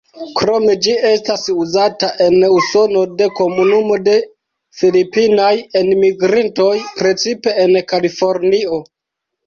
Krome ĝi estas uzata en Usono de komunumo de filipinaj enmigrintoj, precipe en Kalifornio.